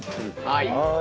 はい。